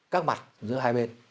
các mặt giữa hai bên